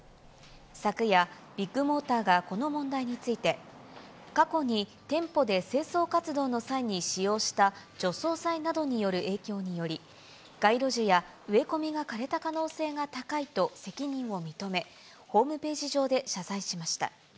昨夜、ビッグモーターがこの問題について、過去に店舗で清掃活動の際に使用した除草剤などによる影響により、街路樹や植え込みが枯れた可能性が高いと責任を認め、ホームページ上で謝罪しました。